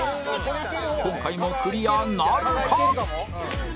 今回もクリアなるか？